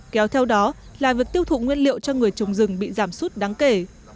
kéo theo đó là việc tiêu thụ nguyên liệu cho người trồng rừng bị giảm sút đáng kể